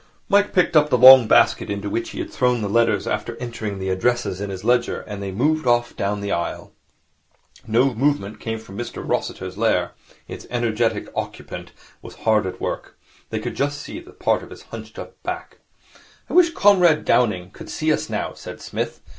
Mike picked up the long basket into which he had thrown the letters after entering the addresses in his ledger, and they moved off down the aisle. No movement came from Mr Rossiter's lair. Its energetic occupant was hard at work. They could just see part of his hunched up back. 'I wish Comrade Downing could see us now,' said Psmith.